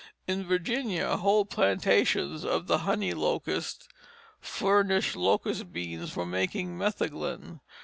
In Virginia whole plantations of the honey locust furnished locust beans for making metheglin.